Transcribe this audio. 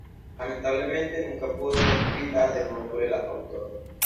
Lamentablemente nunca pudo ser escrita de nuevo por el autor.